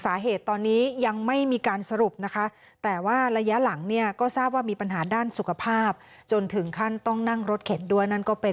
สาเหตุตอนนี้ยังไม่มีการสรุปนะคะ